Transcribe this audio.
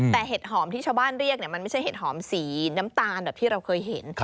แต่เห็ดหอมที่ชาวบ้านเรียกมันไม่ใช่เห็ดหอมสีน้ำตาลแบบที่เราเคยเห็น